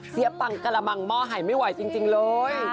ปังกระมังหม้อหายไม่ไหวจริงเลย